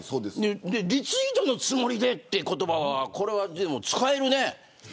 リツイートのつもりでという言葉はこれは使えるね